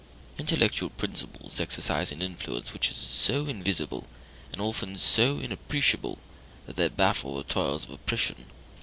Intellectual principles exercise an influence which is so invisible, and often so inappreciable, that they baffle the toils of oppression.